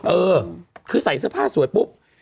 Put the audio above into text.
เออคือใส่เสื้อผ้าสวยปุ๊บ